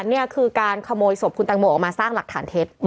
นี่คือการขโมยศพคุณแตงโมออกมาสร้างหลักฐานเท็จ